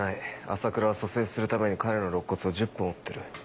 朝倉は蘇生するために彼の肋骨を１０本折ってる。